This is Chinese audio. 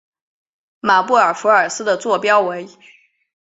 马布尔福尔斯的座标为。